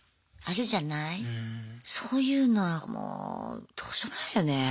そういうのはもうどうしようもないよね。